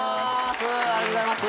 ありがとうございます。